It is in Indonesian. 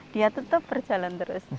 dia tetep berjalan terus